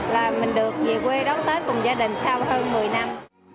là mình được về quê đón tết cùng gia đình sau hơn một mươi năm